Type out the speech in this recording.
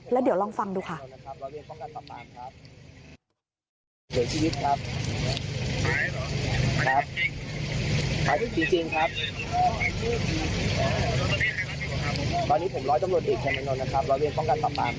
แล้วเดี๋ยวลองฟังดูค่ะ